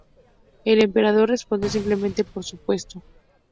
El Emperador respondió simplemente "por supuesto".